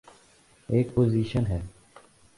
ایک پوزیشن ہے۔